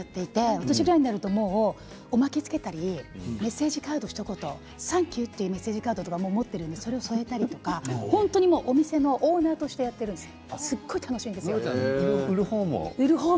私ぐらいになるとおまけをつけたりメッセージカードひと言サンキューというカードも売っているのでそれを添えたりとかお店のオーナーとしてやっているんですよ